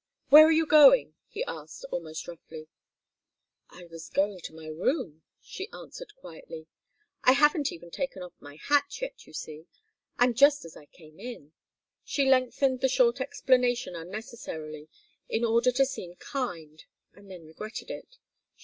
"Where are you going?" he asked, almost roughly. "I was going to my room," she answered, quietly. "I haven't even taken off my hat, yet, you see. I'm just as I came in." She lengthened the short explanation unnecessarily in order to seem kind, and then regretted it.